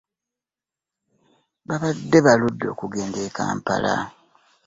Babadde baludde okugendako e Kampala.